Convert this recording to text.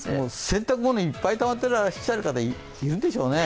洗濯物いっぱいたまってらっしゃる方いるでしょうね。